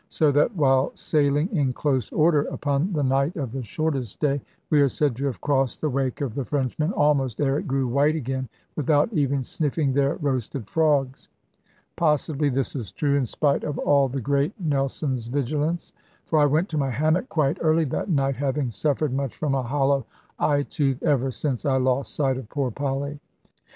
So that, while sailing in close order, upon the night of the shortest day, we are said to have crossed the wake of the Frenchmen, almost ere it grew white again, without even sniffing their roasted frogs. Possibly this is true, in spite of all the great Nelson's vigilance; for I went to my hammock quite early that night, having suffered much from a hollow eye tooth ever since I lost sight of poor Polly.